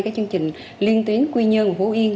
chương trình liên tiến quy nhơn hữu yên